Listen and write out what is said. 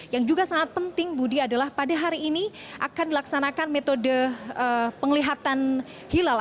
yang juga sangat penting budi adalah pada hari ini akan dilaksanakan metode penglihatan hilal